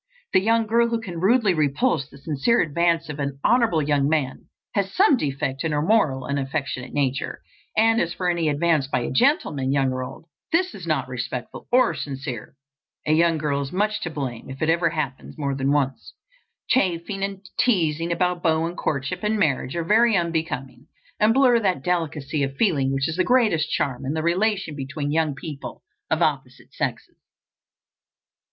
The young girl who can rudely repulse the sincere advance of any honorable young man has some defect in her moral and affectional nature And as for any advance by a gentleman, young or old, that is not respectful or sincere, a young girl is much to blame if it ever happens more than once. Chaffing and teasing about beaux and courtship and marriage are very unbecoming, and blur that delicacy of feeling which is the greatest charm in the relation between young people of opposite sexes.